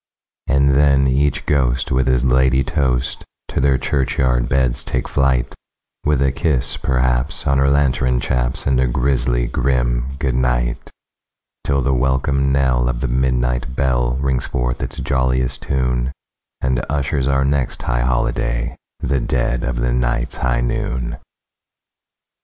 And then each ghost with his ladye toast to their churchyard beds take flight, With a kiss, perhaps, on her lantern chaps, and a grisly grim "good night"; Till the welcome knell of the midnight bell rings forth its jolliest tune, And ushers our next high holiday—the dead of the night's high noon!